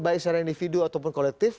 baik secara individu ataupun kolektif